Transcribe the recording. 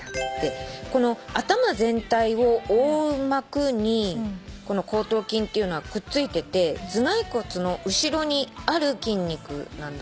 この頭全体を覆う膜に後頭筋っていうのはくっついてて頭蓋骨の後ろにある筋肉なんだって。